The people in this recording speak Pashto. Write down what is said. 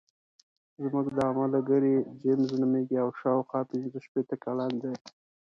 زموږ دا ملګری جیمز نومېږي او شاوخوا پنځه شپېته کلن دی.